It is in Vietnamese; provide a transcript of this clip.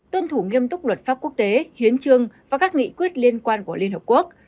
tuân thủ nghiêm túc luật pháp quốc tế hiến trương và các nghị quyết liên quan của liên hợp quốc